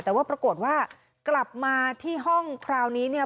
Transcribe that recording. แต่ว่าปรากฏว่ากลับมาที่ห้องคราวนี้เนี่ย